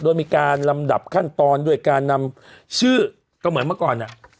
โดยมีการลำดับขั้นตอนด้วยการนำชื่อก็เหมือนเมื่อก่อน